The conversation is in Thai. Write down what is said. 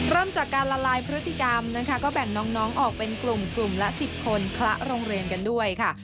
เริ่มจากการละลายพฤติกรรมนะคะก็แบ่งน้องออกเป็นกลุ่มกลุ่มละ๑๐คนคละโรงเรียนกันด้วยค่ะ